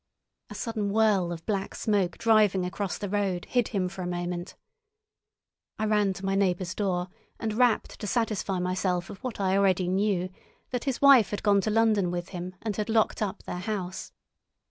A sudden whirl of black smoke driving across the road hid him for a moment. I ran to my neighbour's door and rapped to satisfy myself of what I already knew, that his wife had gone to London with him and had locked up their house.